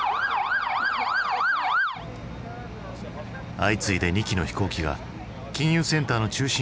相次いで２機の飛行機が金融センターの中心を破壊。